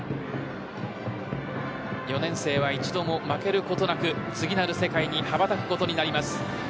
４年生は一度も負けることなく次なる世界に羽ばたくことになります。